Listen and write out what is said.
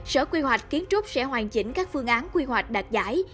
sở quy hoạch kiến trúc sẽ hoàn chỉnh các phương án quy hoạch đạt giải